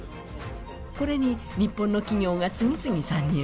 これに日本の企業が次々参入。